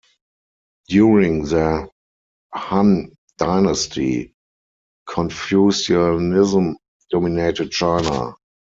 During the Han dynasty Confucianism dominated China.